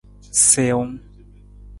Siwung.